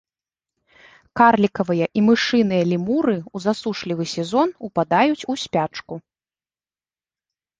Карлікавыя і мышыныя лемуры ў засушлівы сезон упадаюць у спячку.